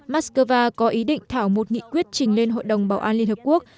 moscow có ý định thảo một nghị quyết trình lên hội đồng bảo an liên hợp quốc